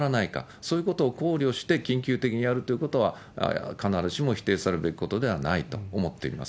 そういうことを考慮して緊急的にやるということは必ずしも否定されるべきことではないと思っています。